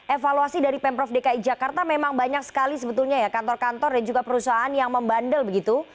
evaluasi dari pemprov dki jakarta memang banyak sekali sebetulnya ya kantor kantor dan juga perusahaan yang membandel begitu